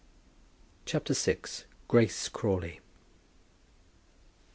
CHAPTER VI. GRACE CRAWLEY.